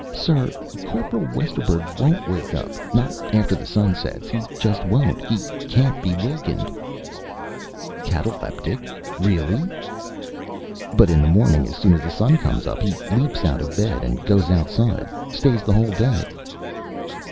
"Sir, Corporal Westerburg won't wake up, not after the sun sets. He just won't. He can't be wakened." "Cataleptic? Really?" "But in the morning, as soon as the sun comes up, he leaps out of bed and goes outside. Stays the whole day."